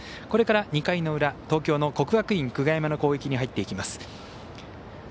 これから２回の裏東京の国学院久我山の攻撃に入っていきます。